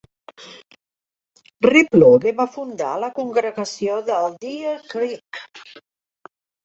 Replogle va fundar la congregació de Deer Creek.